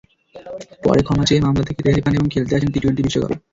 পরে ক্ষমা চেয়ে মামলা থেকে রেহাই পান এবং খেলতে আসেন টি-টোয়েন্টি বিশ্বকাপে।